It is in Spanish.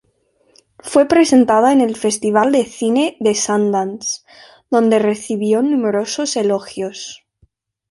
Fue presentada en el Festival de Cine de Sundance, donde recibió numerosos elogios.